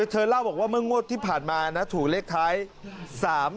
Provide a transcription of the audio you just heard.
เธอเล่าบอกว่าเมื่องวดที่ผ่านมานะถูกเลขท้าย๓๖